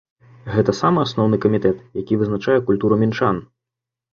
Гэта самы асноўны камітэт, які вызначае культуру мінчан.